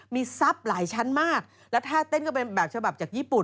มีทรัพย์หลายชั้นมากแล้วถ้าเต้นก็เป็นแบบฉบับจากญี่ปุ่น